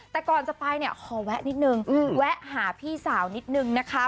แต่ก่อนจะไปเนี่ยขอแวะนิดนึงแวะหาพี่สาวนิดนึงนะคะ